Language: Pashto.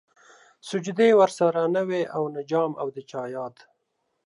سجدې ورسره نه وې او نه جام او د چا ياد